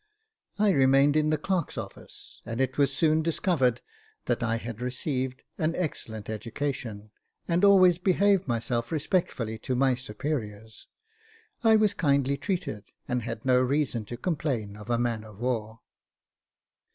I remained in the clerk's office, and as it was soon discovered that I had received an excellent education, and always behaved myself respectfully to my superiors, I was kindly treated, and had no reason to complain of a man of war.